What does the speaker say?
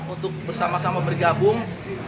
untuk bersama sama bergabung